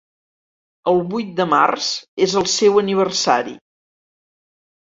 El vuit de març és el seu aniversari.